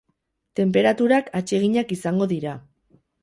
Tenperaturak atseginak izango dira.